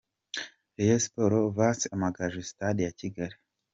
Rayon Sports vs Amagaju – Stade ya Kigali.